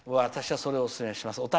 私はそれをおすすめします。